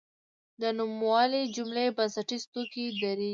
د نوموالي جملې بنسټیز توکي درې دي.